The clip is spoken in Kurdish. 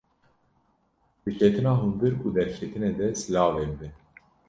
Di Ketina hundir û derketinê de silavê bide